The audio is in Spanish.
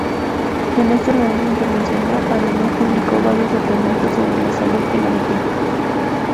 En ese organismo internacional además publicó varios documentos sobre la salud de la mujer.